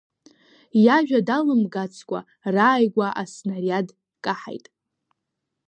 Иажәа далымгацкәа, рааигәа аснариад каҳаит.